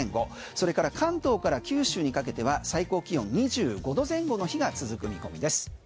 それから関東から九州にかけては最高気温２５度前後の日が続く見込みです。